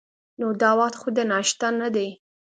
نو دا وخت خو د ناشتا نه دی.